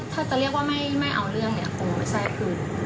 อยากให้เขาได้รับการลองบัดไปตก